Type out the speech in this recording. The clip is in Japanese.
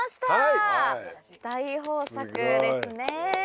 大豊作ですね。